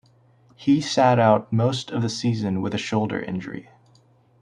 He sat out most of the season with a shoulder injury.